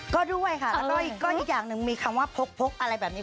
ก็ด้วยค่ะแล้วก็อีกอย่างหนึ่งมีคำว่าพกอะไรแบบนี้